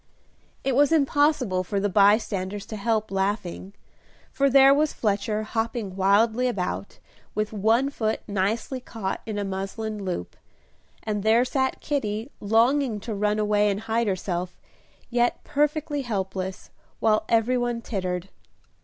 It was impossible for the bystanders to help laughing, for there was Fletcher hopping wildly about, with one foot nicely caught in a muslin loop, and there sat Kitty longing to run away and hide herself, yet perfectly helpless, while every one tittered.